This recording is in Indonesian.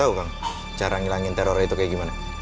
kan juga tau kang cara ngilangin teror itu kayak gimana